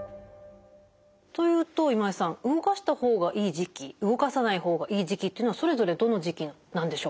というと今井さん動かした方がいい時期動かさない方がいい時期というのはそれぞれどの時期なんでしょうか？